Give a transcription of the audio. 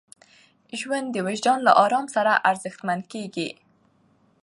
ژوند د وجدان له ارام سره ارزښتمن کېږي.